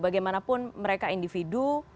bagaimanapun mereka individu